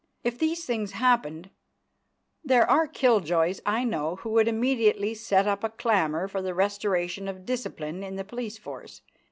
If these things happened, there are killjoys, I know, who would immediately set up a clamour for the restoration of discipline in the police force.